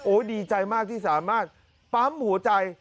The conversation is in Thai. ดีใจมากที่สามารถปั๊มหัวใจ